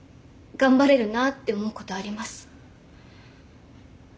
頑張れるなって思うことあります。